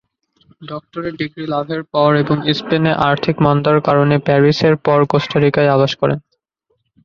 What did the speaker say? Doctorate degree লাভের পর এবং স্পেনে আর্থিক মন্দার কারণে প্যারিসের পর কোস্টারিকায় আবাস গড়েন।